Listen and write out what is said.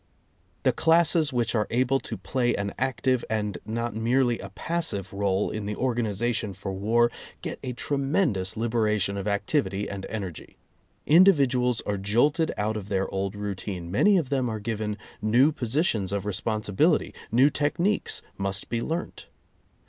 The classes which are able to play an active and not merely a passive role in the organization for war get a tremendous liberation of activity and energy. Individuals are jolted out of their old routine, many of them are given new positions of responsibility, new techniques must be learnt.